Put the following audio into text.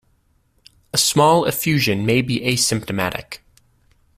A small effusion may be asymptomatic.